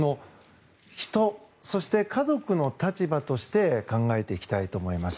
人、そして家族の立場として考えていきたいと思います。